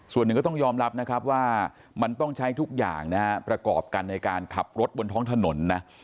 ส่วนหนึ่งก็ต้องยอมรับนะครับว่ามันต้องใช้ทุกอย่างนะฮะประกอบกันในการขับรถบนท้องถนนนะ